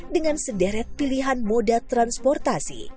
dengan sederet pilihan moda transportasi